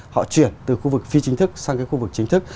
họ chuyển từ khu vực phi chính thức sang cái khu vực chính thức